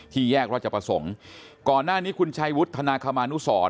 แยกราชประสงค์ก่อนหน้านี้คุณชัยวุฒนาคมานุสร